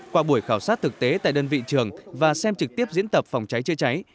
qua buổi khảo sát thực tế tại đơn vị trường và xem trực tiếp diễn tập phòng cháy chữa cháy